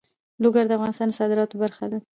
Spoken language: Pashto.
لوگر د افغانستان د صادراتو برخه ده.